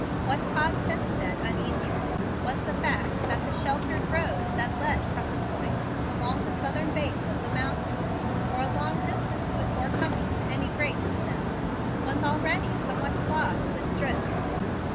What caused Hemstead uneasiness was the fact that the sheltered road that led from the Point along the southern base of the mountains, for a long distance before coming to any great ascent, was already somewhat clogged with drifts.